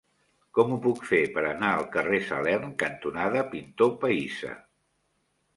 Com ho puc fer per anar al carrer Salern cantonada Pintor Pahissa?